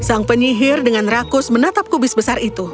sang penyihir dengan rakus menatap kubis besar itu